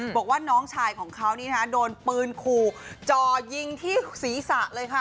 บอกว่าน้องชายของเขานี่นะโดนปืนขู่จ่อยิงที่ศีรษะเลยค่ะ